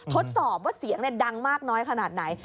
ทดสอบว่าเสียงดังมากน้อยขนาดไหน